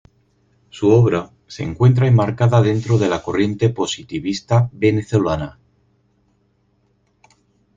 Su obra se encuentra enmarcada dentro de la corriente positivista venezolana.